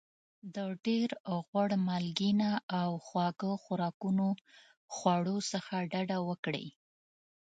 د ډېر غوړ مالګېنه او خواږه خوراکونو خواړو څخه ډاډه وکړئ.